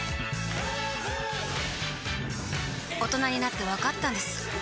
大人になってわかったんです